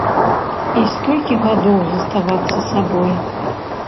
І столькі гадоў заставацца сабой.